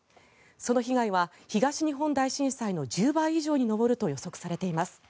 その被害は東日本大震災の１０倍以上に上ると予測されています。